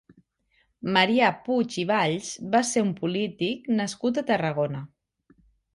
Marià Puig i Valls va ser un polític nascut a Tarragona.